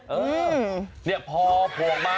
อืมนี่พอโพรงมา